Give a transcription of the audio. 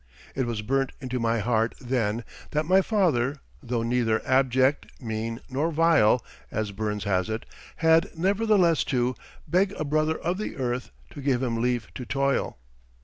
It was burnt into my heart then that my father, though neither "abject, mean, nor vile," as Burns has it, had nevertheless to "Beg a brother of the earth To give him leave to toil."